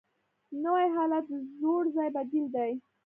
نوی حالت د زوړ ځای بدیل دی